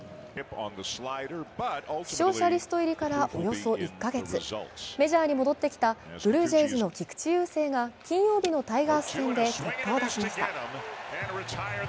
負傷者リスト入りからおよそ１カ月メジャーに戻ってきたブルージェイズの菊池雄星が金曜日のタイガース戦で結果を出しました。